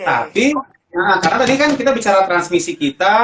tapi karena tadi kan kita bicara transmisi kita